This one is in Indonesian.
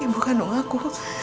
ibu kandung aku